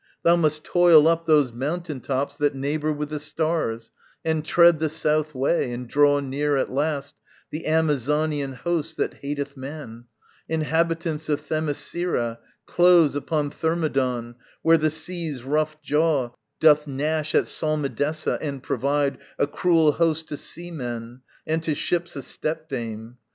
Thou must toil up Those mountain tops that neighbour with the stars, And tread the south way, and draw near, at last, The Amazonian host that hateth man, Inhabitants of Themiscyra, close Upon Thermodon, where the sea's rough jaw Doth gnash at Salmydessa and provide A cruel host to seamen, and to ships A stepdame.